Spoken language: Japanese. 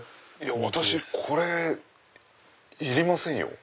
私これいりませんよ。